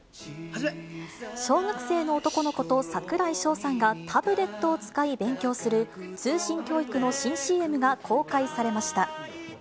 小学生の男の子と櫻井翔さんがタブレットを使い勉強する、通信教育の新ＣＭが公開されました。